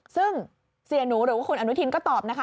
ซึ่งเสียหนูหรือว่าคุณอนุทินก็ตอบนะคะ